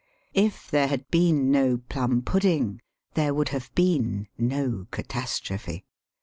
If there had been no plum pudding there would have been no catastrophe.